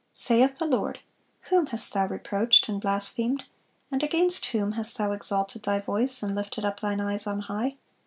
Saith the Lord, "Whom hast thou reproached and blasphemed? and against whom hast thou exalted thy voice, and lifted up thine eyes on high?